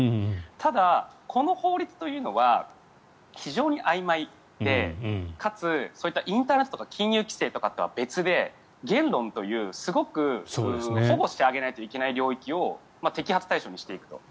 ただ、この法律というのは非常にあいまいで、かつそういったインターネットとか金融規制とかとは別で言論というすごく保護してあげないといけない範囲を摘発対象にしていくと。